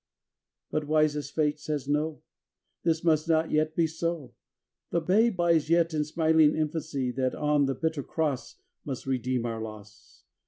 XVI But wisest Fate says No, This must not yet be so; The Babe lies yet in smiling infancy That on the bitter cross Must redeem our loss.